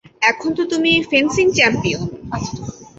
এখন তো তুমি ফেন্সিং চ্যাম্পিয়ন।